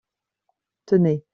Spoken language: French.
tenez.